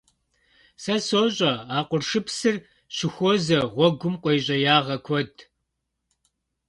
Сэ сощӀэ, а къуршыпсыр щыхуозэ гъуэгум къуейщӀеягъэ куэд.